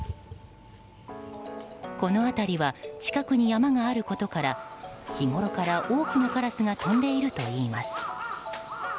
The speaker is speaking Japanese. この辺りは近くに山があることから日ごろから多くのカラスが飛んでいるといいます。